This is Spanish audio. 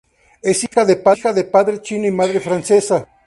Es hija de padre chino y madre francesa.